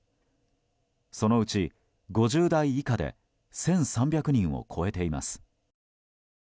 そのうち５０代以下で１３００人を超えています。